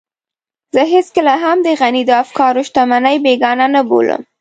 زه هېڅکله هم د غني د افکارو شتمنۍ بېګانه نه بولم.